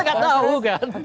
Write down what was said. kita gak tahu kan